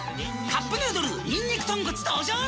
「カップヌードルにんにく豚骨」登場！